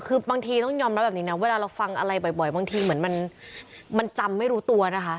คือบางทีต้องยอมรับแบบนี้นะเวลาเราฟังอะไรบ่อยบางทีเหมือนมันจำไม่รู้ตัวนะคะ